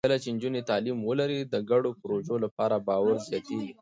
کله چې نجونې تعلیم ولري، د ګډو پروژو لپاره باور زیاتېږي.